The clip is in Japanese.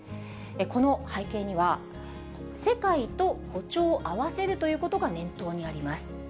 この背景には、世界と歩調を合わせるということが念頭にあります。